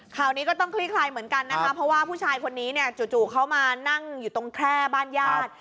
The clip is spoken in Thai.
ข่าวนี้ก็ต้องคลี่คลายเหมือนกันนะคะเพราะว่าผู้ชายคนนี้เนี่ยจู่เขามานั่งอยู่ตรงแคร่บ้านญาติ